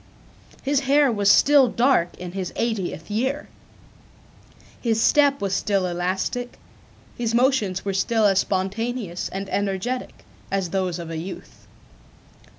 His hair was still dark in his eightieth year. His step was still elastic, his motions were still as spontaneous and energetic, as those of a youth.